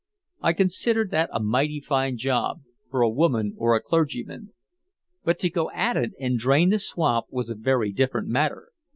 I considered that a mighty fine job for a woman or a clergyman. But to go at it and drain the swamp was a very different matter.